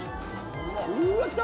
うわっ来た！